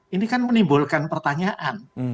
ini kan menimbulkan pertanyaan